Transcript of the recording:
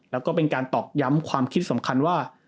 แล้วก็เป็นการตอกย้ำความคิดสำคัญว่า